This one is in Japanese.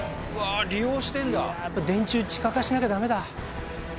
いやあやっぱ電柱地下化しなきゃダメだ。